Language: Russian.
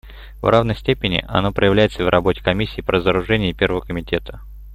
В равной степени оно проявляется и в работе Комиссии по разоружению и Первого комитета.